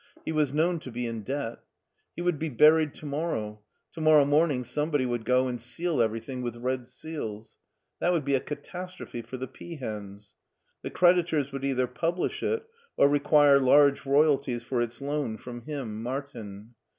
He was known to be in debt He would be buried to morrow; to morrow morning s(Hnebody would go and seal everything with red seals. That would be a catastrophe for the peahens. The creditors would either publish it, or require large royalties for its loan from him, Martin.